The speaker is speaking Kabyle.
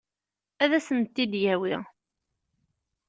Ad sent-ten-id-yawi?